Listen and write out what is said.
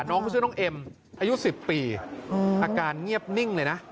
น้องเขาชื่อน้องเอ็มอายุ๑๐ปีอาการเงียบนิ่งเลยนะ